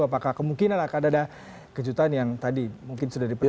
apakah kemungkinan akan ada kejutan yang tadi mungkin sudah dipercaya